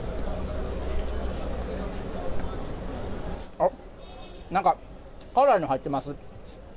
あっ、なんか、辛いの入ってます。